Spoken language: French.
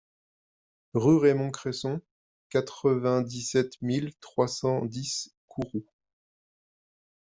Rue Raymond Cresson, quatre-vingt-dix-sept mille trois cent dix Kourou